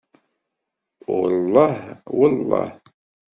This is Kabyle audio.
Ullah, ullah.